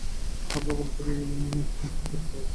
আমার মনে করি ওম কাপুরের পাওয়া উচিত।